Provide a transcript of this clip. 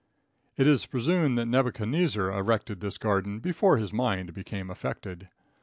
It is presumed that Nebuchadnezzar erected this garden before his mind became affected.